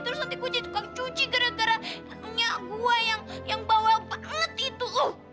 terus nanti gue jadi tukang cuci gara gara minyak gue yang bawa banget itu